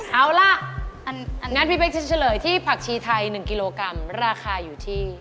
เอาล่ะงั้นพี่เป๊กจะเฉลยที่ผักชีไทย๑กิโลกรัมราคาอยู่ที่